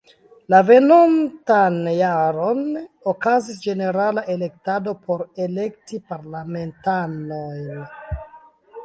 La venontan jaron okazis ĝenerala elektado por elekti parlamentanojn.